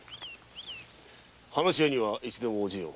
話し合いにはいつでも応じる。